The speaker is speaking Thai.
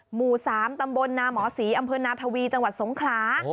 หมู่๓ตำบลนาหมอศรีอำเภอนาทวีจังหวัดสงขลา